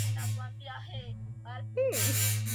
halafu askari polisi ikawa ndio inaomba msaada